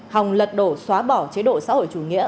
hòng lật đổ xóa bỏ chế độ xã hội chủ nghĩa